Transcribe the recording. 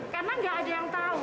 karena tidak ada yang tahu